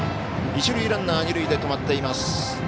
一塁ランナー、二塁で止まっています。